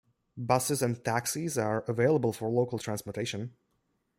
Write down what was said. Buses and Taxis are available for local transportation.